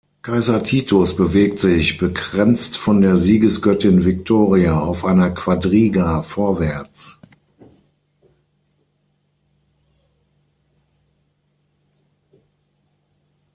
Kaiser Titus bewegt sich, bekränzt von der Siegesgöttin Victoria, auf einer Quadriga vorwärts.